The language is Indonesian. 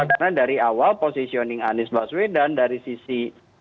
karena dari awal positioning anies baswedan dari sisi